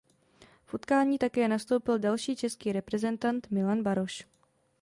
V utkání také nastoupil další český reprezentant Milan Baroš.